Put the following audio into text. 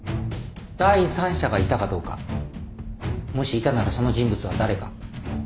第三者がいたかどうかもしいたならその人物は誰か。